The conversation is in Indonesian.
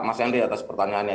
mas andri atas pertanyaannya